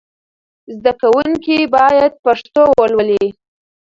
زدهکوونکي باید پښتو ولولي.